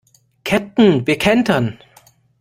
Käpt'n, wir kentern!